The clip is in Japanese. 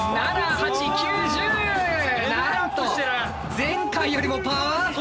前回よりもパワーアップ！